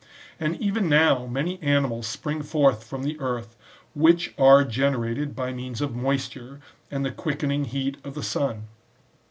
And even now many animals spring forth from the earth, which are generated by means of moisture and the quickening heat of the sun.